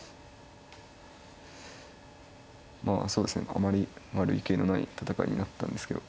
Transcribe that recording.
まあそうですねあまり類型のない戦いになったんですけど。